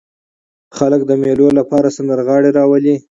خلک د مېلو له پاره سندرغاړي راولي.